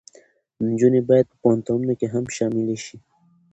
نجونې باید په پوهنتونونو کې هم شاملې شي.